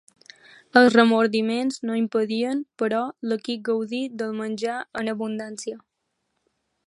Els remordiments no impedien, però, l'equip gaudir del menjar en abundància.